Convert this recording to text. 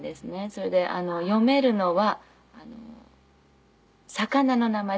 それで読めるのは魚の名前。